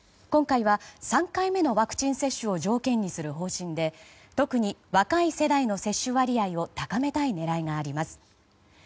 今回は３回目のワクチン接種を条件にする方針で特に若い世代の接種割合を高めたい狙いがあります。